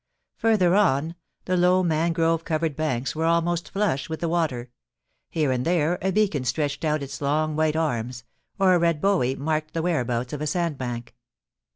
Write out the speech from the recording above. Further on, the low mangrove covered banks were almost flush with the water ; here and there, a beacon stretched out its long white arms, or a red buoy marked the whereabouts of a sandbank.